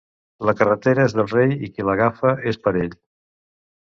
La carretera és del rei i qui l'agafa és per ell.